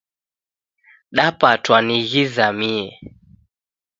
Dapatwa ni ghizamie